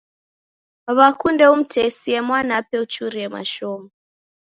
Wakunde umtesie mwanape uchurie mashomo.